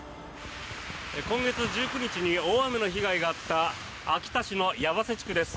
今月１９日に大雨の被害があった秋田市の八橋地区です。